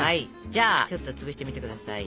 じゃあちょっと潰してみて下さい。